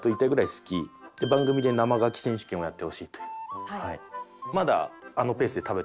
番組で生牡蠣選手権をやってほしいという。